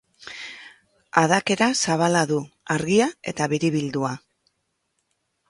Adakera zabala du, argia eta biribildua.